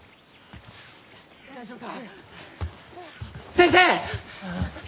・先生！